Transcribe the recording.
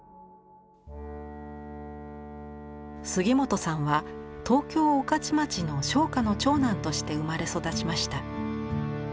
杉本さんは東京・御徒町の商家の長男として生まれ育ちました。